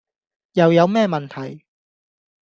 又有咩問題?